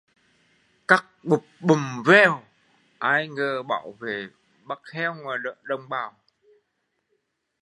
Cắc bụp bùm veo, ai ngờ Bảo Vệ bắt heo đồng bào